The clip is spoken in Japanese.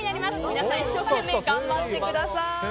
皆さん一生懸命頑張ってください。